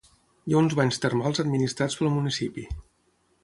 Hi ha uns banys termals administrats pel municipi.